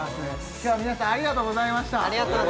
今日は皆さんありがとうございました